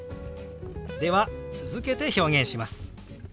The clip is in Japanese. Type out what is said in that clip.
では続けて表現します。